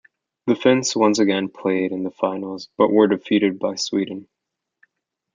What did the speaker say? The Finns once again played in the finals, but were defeated by Sweden.